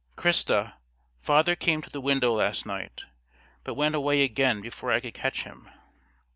"Christa, father came to the window last night, but went away again before I could catch him."